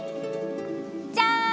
じゃん！